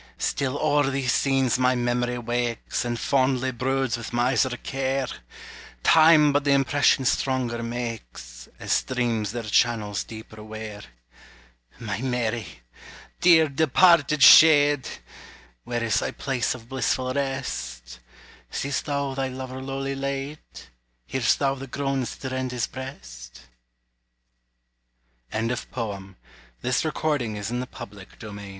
Still o'er these scenes my memory wakes, And fondly broods with miser care! Time but the impression stronger makes, As streams their channels deeper wear. My Mary! dear departed shade! Where is thy place of blissful rest? See'st thou thy lover lowly laid? Hear'st thou the groans that rend his breast? ROBERT BURNS. MINSTREL'S SONG. O sing unto my roundelay!